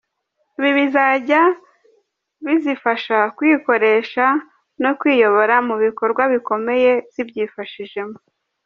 Ibi bizajya bizifasha kwikoresha no kwiyobora mu bikorwa bikomeye zibyifashijemo.